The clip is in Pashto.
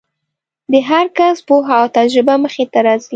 د هر کس پوهه او تجربه مخې ته راځي.